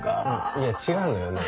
いや違うのよねぇ。